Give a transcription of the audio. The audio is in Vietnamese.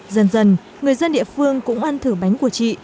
dần dần người dân địa phương cũng ăn thử bánh của chị